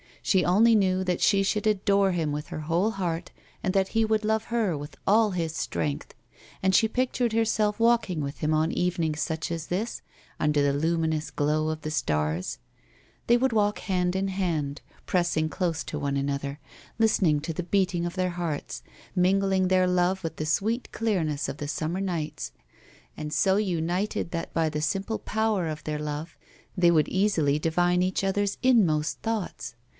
She only knew that she should adore him with her whole heart, and that he would love her "with all his strength, and she pictured herself walking with him on evenings such as this, under the luminous glow of the stars. They would walk hand and hand, pressing close to one another, listening to the beating of their hearts, mingling their love with the sweet clearness of the summer nights, and so united that by the simple power of their love, they would easily divine each other's inmost thoughts.